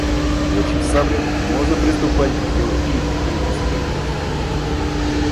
Получив саблю, можно приступать к делу и регистрировать мир.